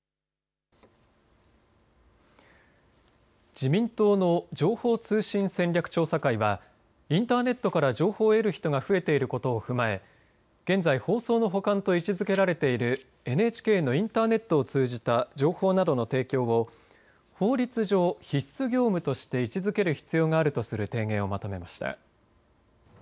自民党の情報通信戦略調査会はインターネットから情報を得る人が増えていることを踏まえ現在、放送の補完と位置づけられているＮＨＫのインターネットを通じた情報などの提供を法律上必須業務として位置づける必要があるとする提言をまとめました。